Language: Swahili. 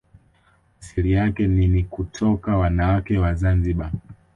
Asili yake ni ni kutoka wanawake wa Zanzibar